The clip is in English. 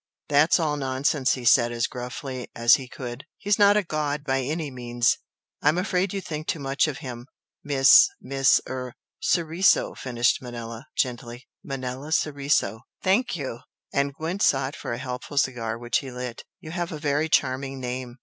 "That's all nonsense!" he said, as gruffly as he could "He's not a god by any means! I'm afraid you think too much of him, Miss Miss er " "Soriso," finished Manella, gently "Manella Soriso." "Thank you!" and Gwent sought for a helpful cigar which he lit "You have a very charming name!